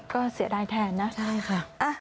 ก็เสียดายแทนนะใช่ค่ะ